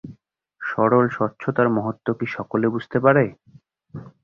সরল স্বচ্ছতার মহত্ত্ব কি সকলে বুঝতে পারে?